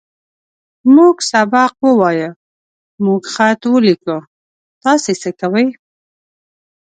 موږ سبق ووايه. موږ خط وليکو. تاسې څۀ کوئ؟